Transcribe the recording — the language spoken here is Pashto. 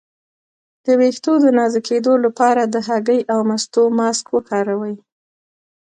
د ویښتو د نازکیدو لپاره د هګۍ او مستو ماسک وکاروئ